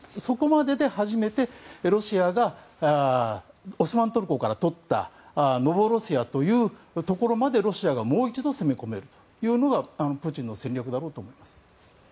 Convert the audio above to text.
そこまでで初めてロシアがオスマントルコから取ったノボロシアというところまでロシアがもう一度攻め込めるというのがプーチンの戦略だろうと思います。